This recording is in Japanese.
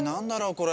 これ。